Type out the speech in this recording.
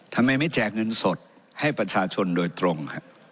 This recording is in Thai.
ทำไมไม่แจกเงินสดให้ประชาชนโดยตรง